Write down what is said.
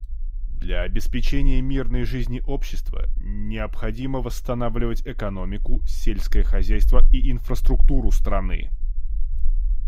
Для обеспечения мирной жизни общества необходимо восстанавливать экономику, сельское хозяйство и инфраструктуру страны.